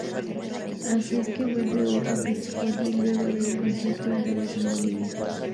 Es así que vuelve Hugo Bistolfi luego del concierto de regreso en Bolivia.